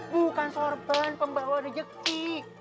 bukan sorban pembawa rejekti